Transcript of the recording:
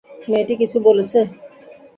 মেয়েটি কিছু বলেছে?